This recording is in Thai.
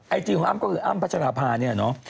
จีของอ้ำก็คืออ้ำพัชราภาเนี่ยเนาะ